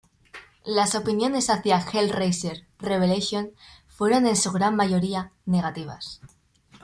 Las opiniones hacia "Hellraiser: Revelations" fueron, en su gran mayoría, negativas.